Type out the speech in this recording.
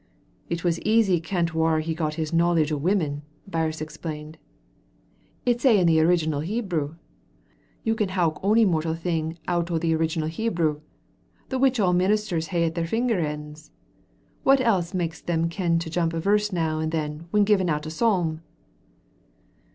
"It's easy kent whaur he got his knowledge of women," Birse explained, "it's a' in the original Hebrew. You can howk ony mortal thing out o' the original Hebrew, the which all ministers hae at their finger ends. What else makes them ken to jump a verse now and then when giving out a psalm?"